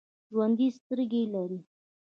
ژوندي سترګې لري